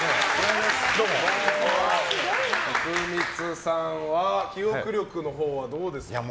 徳光さんは記憶力のほうはどうですか？